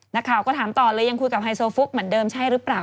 นักข่าวก็ถามต่อเลยยังคุยกับไฮโซฟุกเหมือนเดิมใช่หรือเปล่า